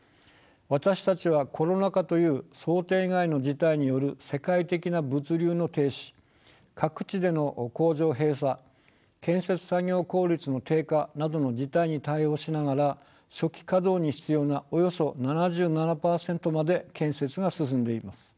私たちはコロナ禍という想定外の事態による世界的な物流の停止各地での工場閉鎖建設作業効率の低下などの事態に対応しながら初期稼働に必要なおよそ７７％まで建設が進んでいます。